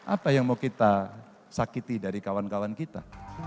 apa yang mau kita sakiti dari kawan kawan kita